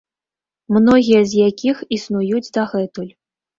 Многія з якіх існуюць дагэтуль.